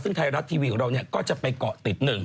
ซึ่งไทยรัฐทีวีของเราก็จะไปเกาะติดหนึ่ง